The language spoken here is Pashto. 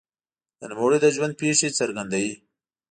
د نوموړي د ژوند پېښې څرګندوي.